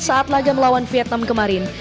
saat laga melawan vietnam kemarin